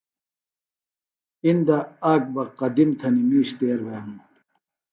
اِندہ آک بہ قدِم تھنیۡ مِیش تیر بھےۡ ہِنوۡ